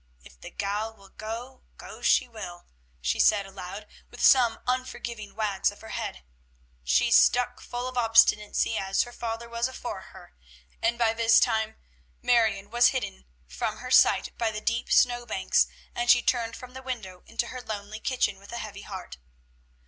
"If the gal will go, go she will," she said aloud, with some unforgiving wags of her head. "She's stuck full of obstinacy as her father was afore her." And by this time Marion was hidden from her sight by the deep snow banks, and she turned from the window into her lonely kitchen with a heavy heart.